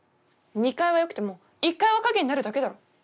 ２階はよくても１階は影になるだけだろ。